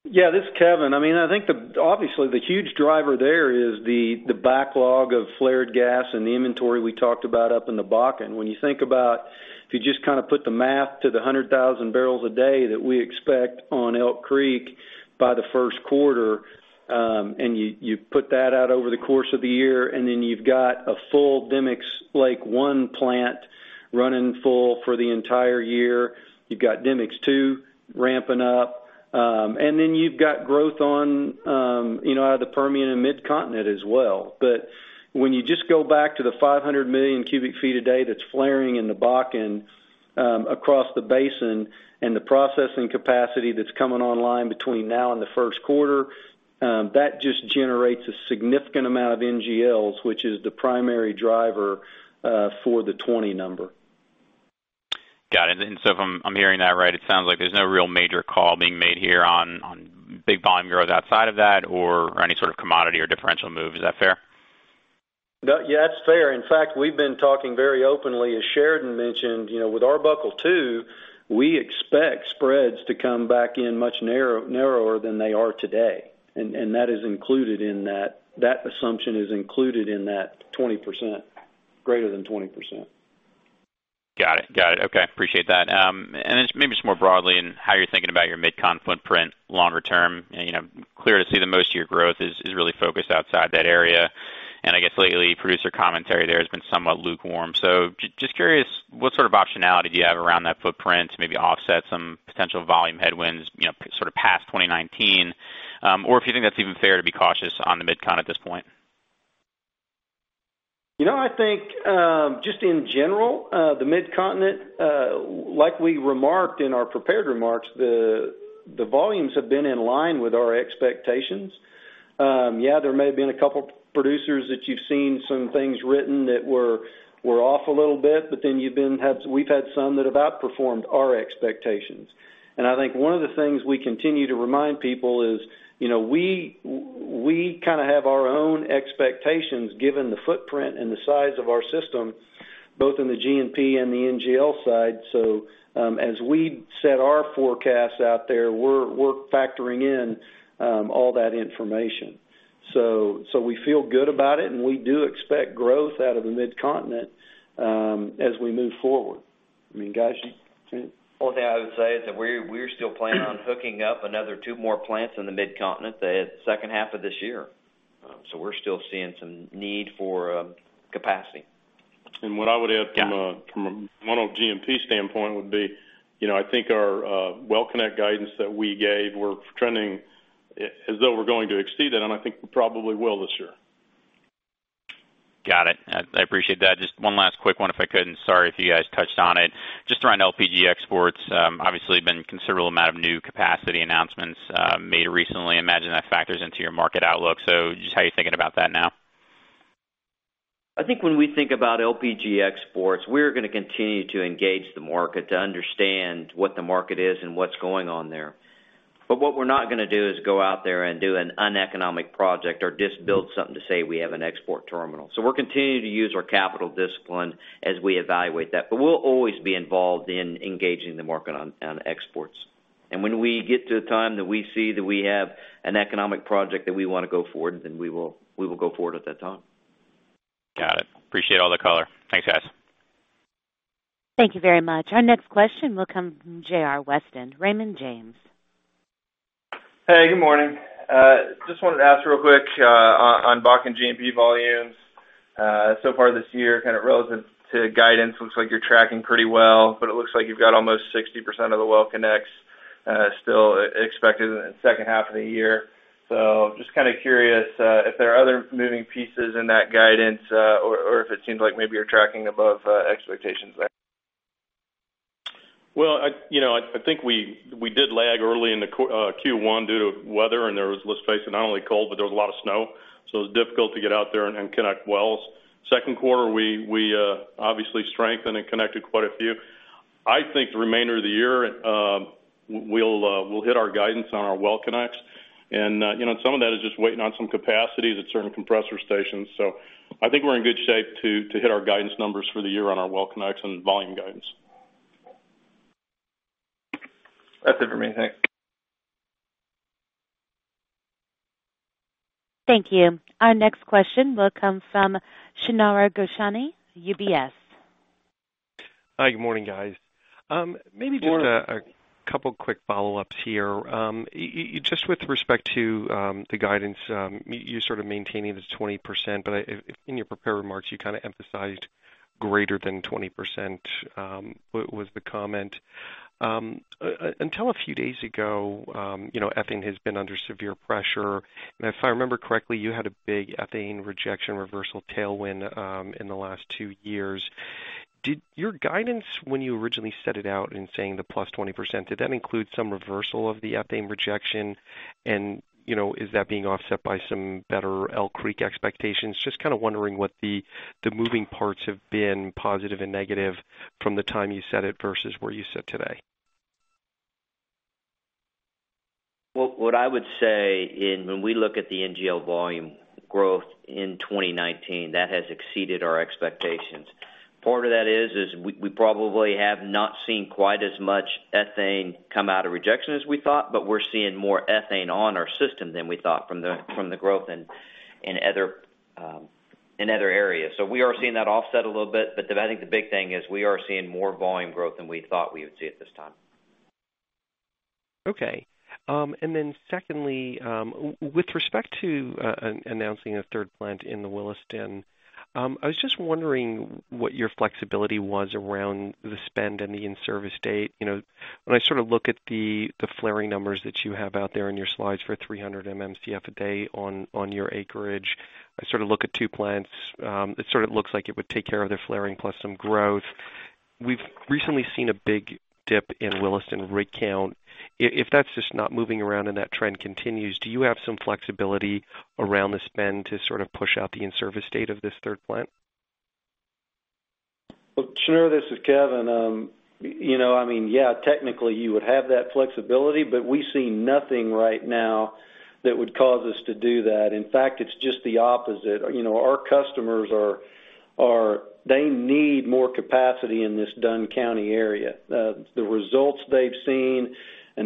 Speaker 5: Yeah, this is Kevin. I think, obviously, the huge driver there is the backlog of flared gas and the inventory we talked about up in the Bakken. When you think about, if you just put the math to the 100,000 bpd that we expect on Elk Creek by the first quarter, and you put that out over the course of the year, then you've got a full Demicks Lake I plant running full for the entire year. Then you've got Demicks II ramping up. Then you've got growth on out of the Permian and Mid-Continent as well. When you just go back to the 500 million cu ft a day that's flaring in the Bakken across the basin, and the processing capacity that's coming online between now and the first quarter, that just generates a significant amount of NGLs, which is the primary driver for the 20 number.
Speaker 15: Got it. If I'm hearing that right, it sounds like there's no real major call being made here on big volume growth outside of that or any sort of commodity or differential move. Is that fair?
Speaker 5: Yeah. That's fair. In fact, we've been talking very openly, as Sheridan mentioned, with Arbuckle II, we expect spreads to come back in much narrower than they are today. That assumption is included in that greater than 20%.
Speaker 15: Got it. Okay. Appreciate that. Then just maybe just more broadly in how you're thinking about your Mid-Continent footprint longer term, clear to see the most of your growth is really focused outside that area. I guess lately, producer commentary there has been somewhat lukewarm. Just curious, what sort of optionality do you have around that footprint to maybe offset some potential volume headwinds, sort of past 2019? Or if you think that's even fair to be cautious on the Mid-Continent at this point.
Speaker 5: I think, just in general, the Mid-Continent, like we remarked in our prepared remarks, the volumes have been in line with our expectations. There may have been a couple producers that you've seen some things written that were off a little bit, but then we've had some that have outperformed our expectations. I think one of the things we continue to remind people is, we kind of have our own expectations given the footprint and the size of our system, both in the G&P and the NGL side. As we set our forecasts out there, we're factoring in all that information. We feel good about it, and we do expect growth out of the Mid-Continent as we move forward. Guys?
Speaker 8: Only thing I would say is that we're still planning on hooking up another two more plants in the Mid-Continent the second half of this year. We're still seeing some need for capacity.
Speaker 13: And what I would add from a ONEOK G&P standpoint would be, I think our well connect guidance that we gave, we're trending as though we're going to exceed that, and I think we probably will this year.
Speaker 15: Got it. I appreciate that. Just one last quick one if I could, and sorry if you guys touched on it. Just around LPG exports, obviously there've been considerable amount of new capacity announcements made recently. I imagine that factors into your market outlook. Just how you're thinking about that now?
Speaker 8: I think when we think about LPG exports, we're going to continue to engage the market to understand what the market is and what's going on there. What we're not going to do is go out there and do an uneconomic project or just build something to say we have an export terminal. We're continuing to use our capital discipline as we evaluate that. We'll always be involved in engaging the market on exports. When we get to a time that we see that we have an economic project that we want to go forward, then we will go forward at that time.
Speaker 15: Got it. Appreciate all the color. Thanks, guys.
Speaker 1: Thank you very much. Our next question will come from J.R. Weston, Raymond James.
Speaker 16: Hey, good morning. Just wanted to ask real quick on Bakken G&P volumes. Far this year, kind of relative to guidance, looks like you're tracking pretty well, but it looks like you've got almost 60% of the well connects still expected in the second half of the year. Just kind of curious if there are other moving pieces in that guidance, or if it seems like maybe you're tracking above expectations there.
Speaker 13: I think we did lag early in the Q1 due to weather, and let's face it, not only cold, but there was a lot of snow, so it was difficult to get out there and connect wells. Second quarter, we obviously strengthened and connected quite a few. I think the remainder of the year, we'll hit our guidance on our well connects. Some of that is just waiting on some capacities at certain compressor stations. I think we're in good shape to hit our guidance numbers for the year on our well connects and volume guidance.
Speaker 16: That's it for me. Thanks.
Speaker 1: Thank you. Our next question will come from Shneur Gershuni, UBS.
Speaker 17: Hi. Good morning, guys. Just a couple quick follow-ups here. With respect to the guidance, you sort of maintaining the 20%, in your prepared remarks, you kind of emphasized greater than 20%, was the comment. If I remember correctly, you had a big ethane rejection reversal tailwind in the last two years. Did your guidance when you originally set it out in saying the +20%, did that include some reversal of the ethane rejection? Is that being offset by some better Elk Creek expectations? Kind of wondering what the moving parts have been, positive and negative, from the time you said it versus where you sit today.
Speaker 8: Well, what I would say when we look at the NGL volume growth in 2019, that has exceeded our expectations. Part of that is, we probably have not seen quite as much ethane come out of rejection as we thought, but we're seeing more ethane on our system than we thought from the growth in other areas. We are seeing that offset a little bit. I think the big thing is we are seeing more volume growth than we thought we would see at this time.
Speaker 17: Okay. Secondly, with respect to announcing a third plant in the Williston, I was just wondering what your flexibility was around the spend and the in-service date. When I look at the flaring numbers that you have out there in your slides for 300 MMcf a day on your acreage, I look at two plants. It sort of looks like it would take care of their flaring plus some growth. We've recently seen a big dip in Williston rig count. If that's just not moving around and that trend continues, do you have some flexibility around the spend to sort of push out the in-service date of this third plant?
Speaker 5: Well, sure. This is Kevin. Technically you would have that flexibility, we see nothing right now that would cause us to do that. In fact, it's just the opposite. Our customers need more capacity in this Dunn County area. The results they've seen,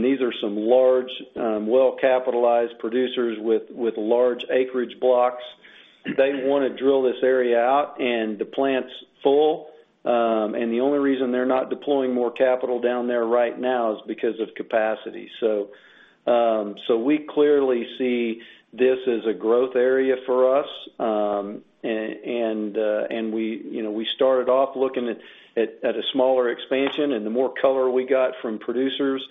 Speaker 5: these are some large, well-capitalized producers with large acreage blocks. They want to drill this area out, the plant's full. The only reason they're not deploying more capital down there right now is because of capacity. We clearly see this as a growth area for us. We started off looking at a smaller expansion, and the more color we got from producers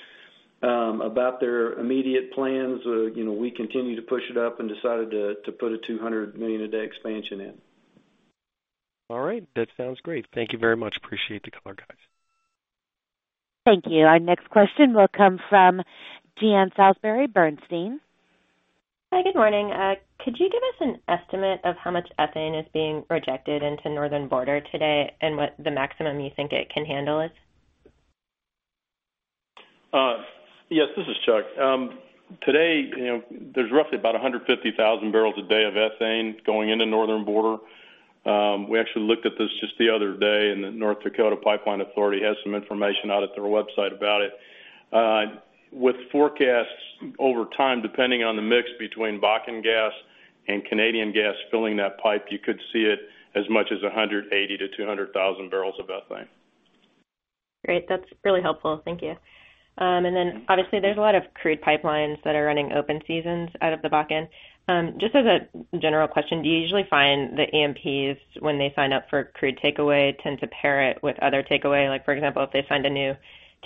Speaker 5: about their immediate plans, we continued to push it up and decided to put a 200 MMcf a day expansion in.
Speaker 17: All right. That sounds great. Thank you very much. Appreciate the color, guys.
Speaker 1: Thank you. Our next question will come from Jean Ann Salisbury, Bernstein.
Speaker 18: Hi, good morning. Could you give us an estimate of how much ethane is being rejected into Northern Border today and what the maximum you think it can handle is?
Speaker 13: Yes, this is Chuck. Today, there's roughly about 150,000 bpd of ethane going into Northern Border. We actually looked at this just the other day, and the North Dakota Pipeline Authority has some information out at their website about it. With forecasts over time, depending on the mix between Bakken gas and Canadian gas filling that pipe, you could see it as much as 180,000 bbl-200,000 bbl of ethane.
Speaker 18: Great. That's really helpful. Thank you. Obviously there's a lot of crude pipelines that are running open seasons out of the Bakken. Just as a general question, do you usually find the E&Ps, when they sign up for crude takeaway, tend to pair it with other takeaway? Like for example, if they signed a new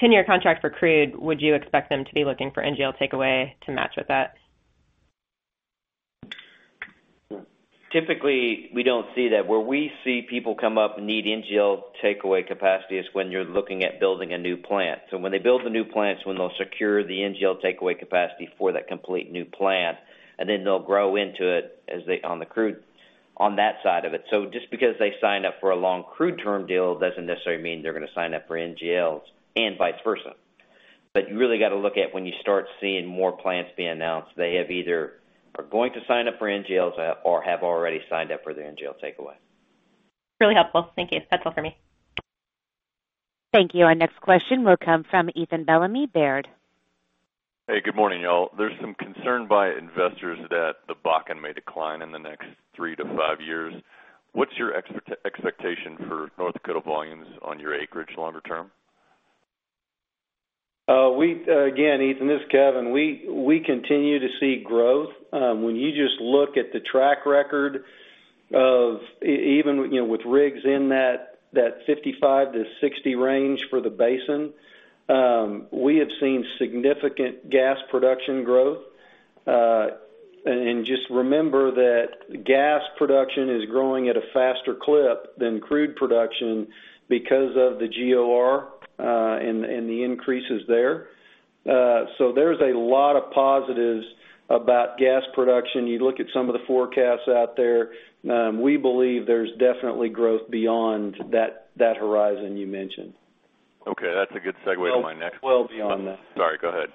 Speaker 18: 10-year contract for crude, would you expect them to be looking for NGL takeaway to match with that?
Speaker 8: Typically, we don't see that. Where we see people come up and need NGL takeaway capacity is when you're looking at building a new plant. When they build the new plants, when they'll secure the NGL takeaway capacity for that complete new plant, and then they'll grow into it on the crude on that side of it. Just because they signed up for a long crude term deal doesn't necessarily mean they're going to sign up for NGLs and vice versa. You really got to look at when you start seeing more plants being announced, they have either are going to sign up for NGLs or have already signed up for their NGL takeaway.
Speaker 18: Really helpful. Thank you. That's all for me.
Speaker 1: Thank you. Our next question will come from Ethan Bellamy, Baird.
Speaker 19: Hey, good morning, y'all. There's some concern by investors that the Bakken may decline in the next three to five years. What's your expectation for North Dakota volumes on your acreage longer term?
Speaker 5: Ethan, this is Kevin. We continue to see growth. When you just look at the track record of even with rigs in that 55-60 range for the basin, we have seen significant gas production growth. Just remember that gas production is growing at a faster clip than crude production because of the GOR, and the increases there. There's a lot of positives about gas production. You look at some of the forecasts out there. We believe there's definitely growth beyond that horizon you mentioned.
Speaker 19: Okay. That's a good segue to my next.
Speaker 5: Well beyond that.
Speaker 19: Sorry. Go ahead.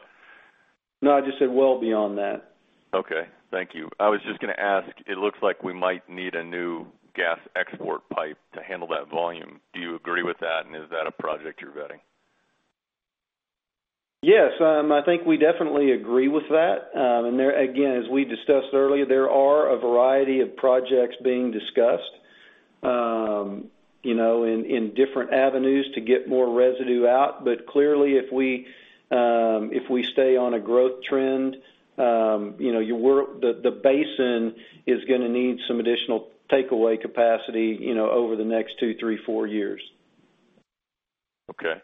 Speaker 5: No, I just said well beyond that.
Speaker 19: Okay. Thank you. I was just going to ask, it looks like we might need a new gas export pipe to handle that volume. Do you agree with that, and is that a project you're vetting?
Speaker 5: Yes, I think we definitely agree with that. There again, as we discussed earlier, there are a variety of projects being discussed in different avenues to get more residue out. Clearly if we stay on a growth trend, the basin is going to need some additional takeaway capacity over the next two, three, four years.
Speaker 19: Okay.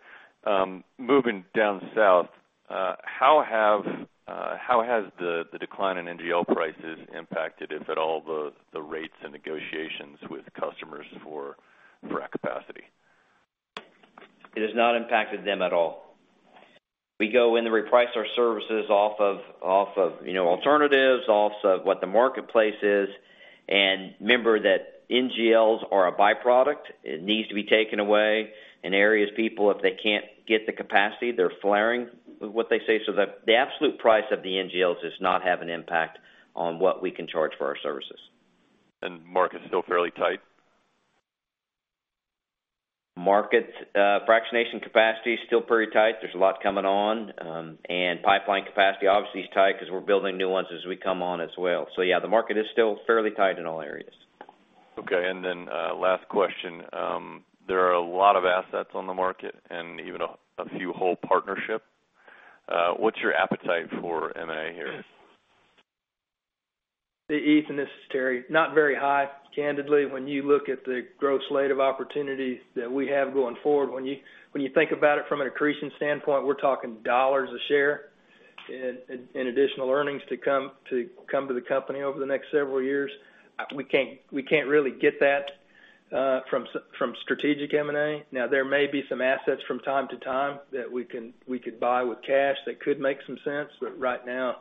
Speaker 19: Moving down south, how has the decline in NGL prices impacted, if at all, the rates and negotiations with customers for frac capacity?
Speaker 8: It has not impacted them at all. We go in to reprice our services off of alternatives, off of what the marketplace is. Remember that NGLs are a byproduct. It needs to be taken away. In areas, people, if they can't get the capacity, they're flaring, what they say, so that the absolute price of the NGLs does not have an impact on what we can charge for our services.
Speaker 19: Market's still fairly tight?
Speaker 8: Market fractionation capacity is still pretty tight. There's a lot coming on. Pipeline capacity, obviously, is tight because we're building new ones as we come on as well. Yeah, the market is still fairly tight in all areas.
Speaker 19: Okay. Last question. There are a lot of assets on the market and even a few whole partnership. What's your appetite for M&A here?
Speaker 3: Ethan, this is Terry. Not very high, candidly. When you look at the gross slate of opportunities that we have going forward, when you think about it from an accretion standpoint, we're talking dollars a share in additional earnings to come to the company over the next several years. We can't really get that from strategic M&A. Now, there may be some assets from time to time that we could buy with cash that could make some sense. Right now,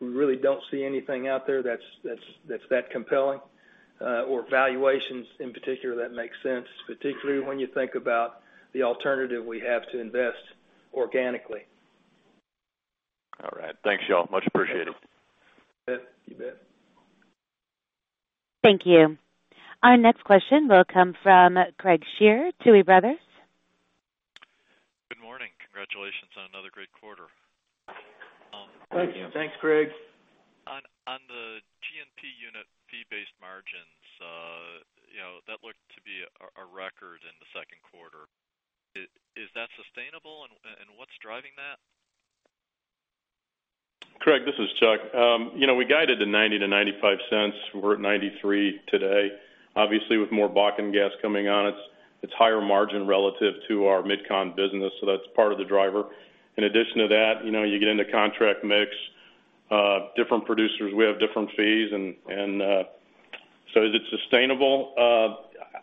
Speaker 3: we really don't see anything out there that's compelling or valuations in particular that make sense, particularly when you think about the alternative we have to invest organically.
Speaker 19: All right. Thanks, y'all. Much appreciated.
Speaker 3: You bet.
Speaker 1: Thank you. Our next question will come from Craig Shere, Tuohy Brothers.
Speaker 20: Good morning. Congratulations on another great quarter.
Speaker 3: Thank you.
Speaker 8: Thanks, Craig.
Speaker 20: On the G&P unit fee-based margins, that looked to be a record in the second quarter. Is that sustainable and what's driving that?
Speaker 13: Craig, this is Chuck. We guided to $0.90-$0.95. We're at $0.93 today. Obviously, with more Bakken gas coming on, it's higher margin relative to our Mid-Continent business, so that's part of the driver. In addition to that, you get into contract mix, different producers, we have different fees. Is it sustainable?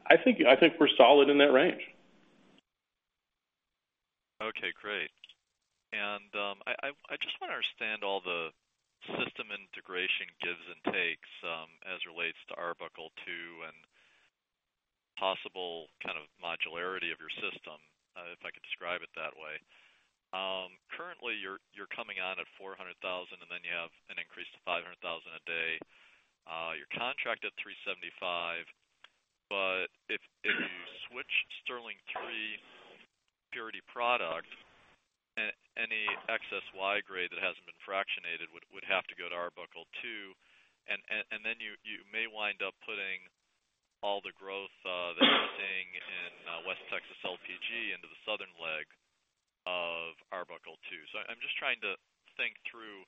Speaker 13: I think we're solid in that range.
Speaker 20: Okay, great. I just want to understand all the system integration gives and takes as relates to Arbuckle II and possible kind of modularity of your system, if I could describe it that way. Currently, you're coming on at 400,000 bpd and then you have an increase to 500,000 bpd. You're contracted at 375,000 bpd but if you switch Sterling III purity product, any excess Y-grade that hasn't been fractionated would have to go to Arbuckle II, and then you may wind up putting all the growth that you're seeing in West Texas LPG into the southern leg of Arbuckle II. I'm just trying to think through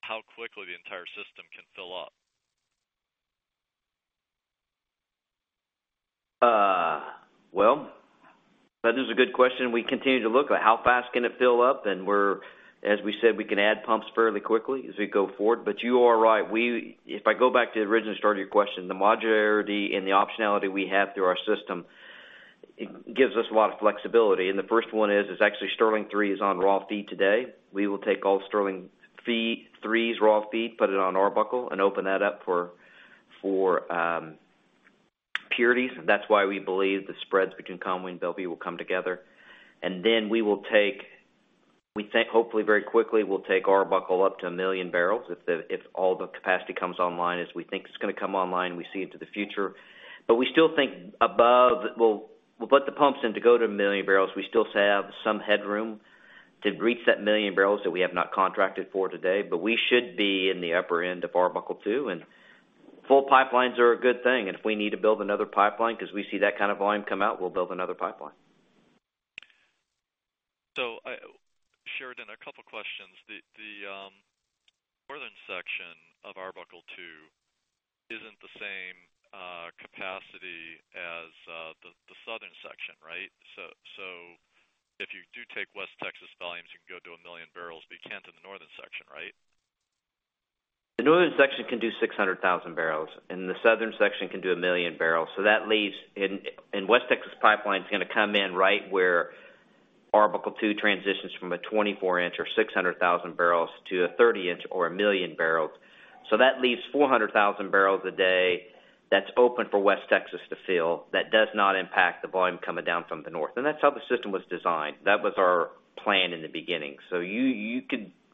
Speaker 20: how quickly the entire system can fill up.
Speaker 8: Well, that is a good question. We continue to look at how fast can it fill up. As we said, we can add pumps fairly quickly as we go forward. You are right. If I go back to the original start of your question, the modularity and the optionality we have through our system, it gives us a lot of flexibility. The first one is actually Sterling III is on raw feed today. We will take all Sterling III's raw feed, put it on Arbuckle, and open that up for purities. That's why we believe the spreads between Conway and Belvieu will come together. We think hopefully very quickly, we'll take Arbuckle up to 1 million bbl if all the capacity comes online as we think it's going to come online, we see into the future. We still think above, we'll put the pumps in to go to 1 million bbl. We still have some headroom to reach that 1 million bbl that we have not contracted for today. We should be in the upper end of Arbuckle II, and full pipelines are a good thing. If we need to build another pipeline because we see that kind of volume come out, we'll build another pipeline.
Speaker 20: Sheridan, a couple questions. The northern section of Arbuckle II isn't the same capacity as the southern section, right? If you do take West Texas volumes, you can go to 1 million bbl. But you can't in the northern section, right?
Speaker 8: The northern section can do 600,000 bbl, and the southern section can do 1 million bbl. West Texas pipeline's going to come in right where Arbuckle II transitions from a 24 inch or 600,000 bbl to a 30 inch or 1 million bbl. That leaves 400,000 bpd that's open for West Texas to fill. That does not impact the volume coming down from the north. That's how the system was designed. That was our plan in the beginning.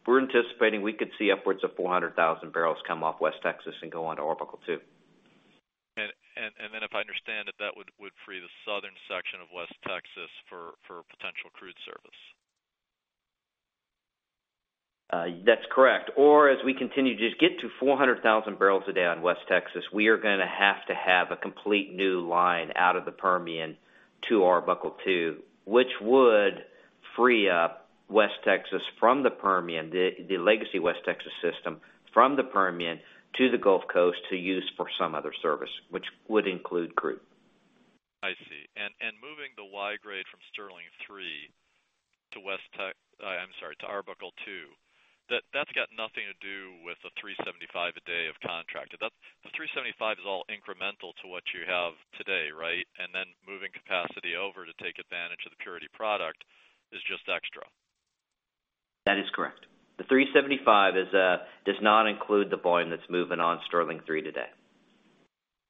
Speaker 8: We're anticipating we could see upwards of 400,000 bbl come off West Texas and go onto Arbuckle II.
Speaker 20: If I understand it, that would free the southern section of West Texas for potential crude service.
Speaker 8: That's correct. As we continue to get to 400,000 bpd on West Texas, we are going to have to have a complete new line out of the Permian to Arbuckle II, which would free up West Texas from the Permian, the legacy West Texas system from the Permian to the Gulf Coast to use for some other service, which would include crude.
Speaker 20: I see. Moving the Y-grade from Sterling III to Arbuckle II, that's got nothing to do with the 375,000 bpd of contracted. The 375,000 bbl is all incremental to what you have today, right? Then moving capacity over to take advantage of the purity product is just extra.
Speaker 8: That is correct. The 375,000 bbl does not include the volume that's moving on Sterling III today.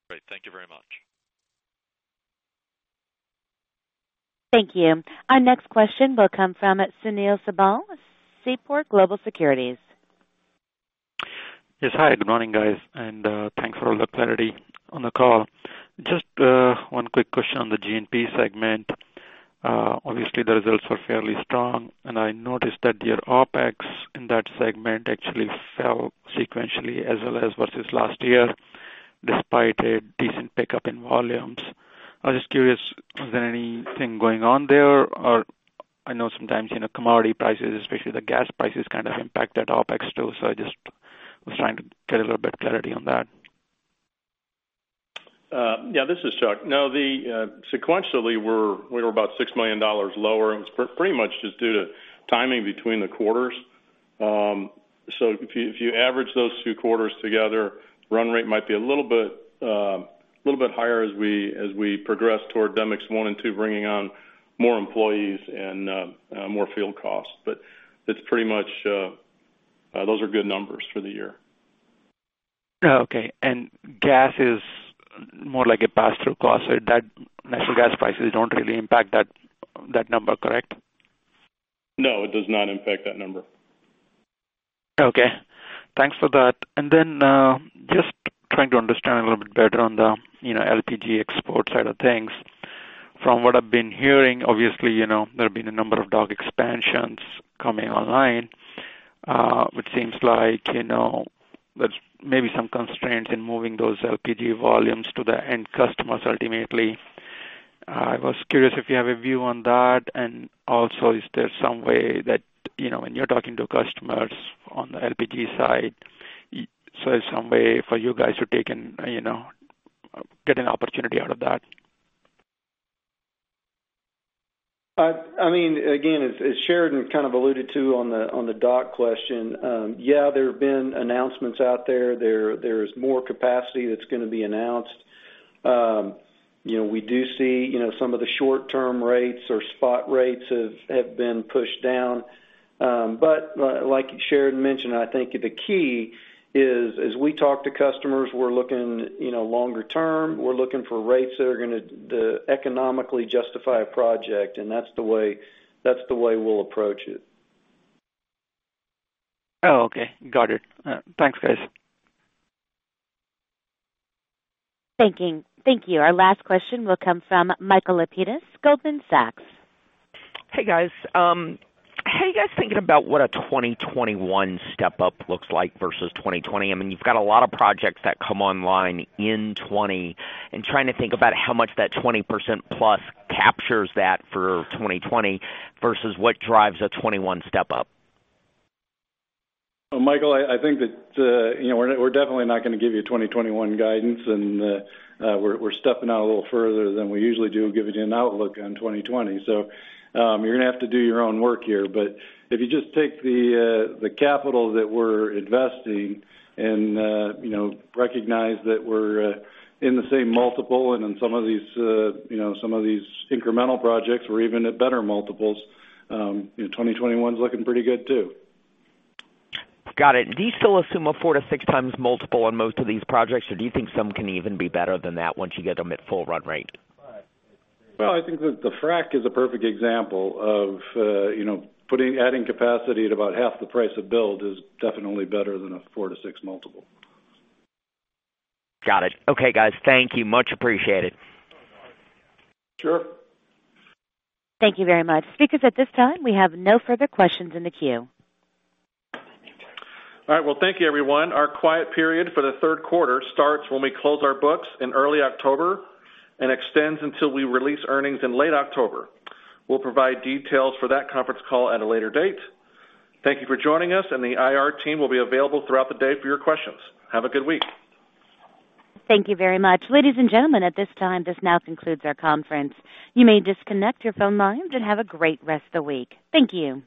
Speaker 20: Great. Thank you very much.
Speaker 1: Thank you. Our next question will come from Sunil Sibal, Seaport Global Securities.
Speaker 21: Yes. Hi, good morning, guys. Thanks for all the clarity on the call. Just one quick question on the G&P segment. Obviously, the results were fairly strong, and I noticed that your OpEx in that segment actually fell sequentially as well as versus last year despite a decent pickup in volumes. I was just curious, was there anything going on there? I know sometimes commodity prices, especially the gas prices, kind of impacted OpEx too. I just was trying to get a little bit of clarity on that.
Speaker 13: Yeah, this is Chuck. No, sequentially, we were about $6 million lower, and it was pretty much just due to timing between the quarters. If you average those two quarters together, run rate might be a little bit higher as we progress toward Demicks Lake I and II, bringing on more employees and more field costs. Those are good numbers for the year.
Speaker 21: Okay. Gas is more like a pass-through cost, so natural gas prices don't really impact that number, correct?
Speaker 13: No, it does not impact that number.
Speaker 21: Okay. Thanks for that. Just trying to understand a little bit better on the LPG export side of things. From what I've been hearing, obviously, there have been a number of dock expansions coming online. It seems like there's maybe some constraints in moving those LPG volumes to the end customers ultimately. I was curious if you have a view on that. Is there some way that when you're talking to customers on the LPG side, so some way for you guys to get an opportunity out of that?
Speaker 3: As Sheridan kind of alluded to on the dock question, yeah, there have been announcements out there. There's more capacity that's going to be announced. We do see some of the short-term rates or spot rates have been pushed down. Like Sheridan mentioned, I think the key is, as we talk to customers, we're looking longer term. We're looking for rates that are going to economically justify a project, and that's the way we'll approach it.
Speaker 21: Oh, okay. Got it. Thanks, guys.
Speaker 1: Thank you. Our last question will come from Michael Lapides, Goldman Sachs.
Speaker 22: Hey, guys. How are you guys thinking about what a 2021 step-up looks like versus 2020? You've got a lot of projects that come online in 2020, trying to think about how much that 20% plus captures that for 2020 versus what drives a 2021 step-up.
Speaker 4: Well, Michael, I think that we're definitely not going to give you 2021 guidance. We're stepping out a little further than we usually do giving you an outlook on 2020. You're going to have to do your own work here. If you just take the capital that we're investing and recognize that we're in the same multiple and in some of these incremental projects, we're even at better multiples, 2021 is looking pretty good too.
Speaker 22: Got it. Do you still assume a 4x-6x multiple on most of these projects, or do you think some can even be better than that once you get them at full run rate?
Speaker 4: Well, I think that the frac is a perfect example of adding capacity at about half the price of build is definitely better than a four to six multiple.
Speaker 22: Got it. Okay, guys. Thank you. Much appreciated.
Speaker 4: Sure.
Speaker 1: Thank you very much. Speakers, at this time, we have no further questions in the queue.
Speaker 2: All right. Well, thank you everyone. Our quiet period for the third quarter starts when we close our books in early October and extends until we release earnings in late October. We'll provide details for that conference call at a later date. Thank you for joining us, and the IR team will be available throughout the day for your questions. Have a good week.
Speaker 1: Thank you very much. Ladies and gentlemen, at this time, this now concludes our conference. You may disconnect your phone lines, and have a great rest of the week. Thank you.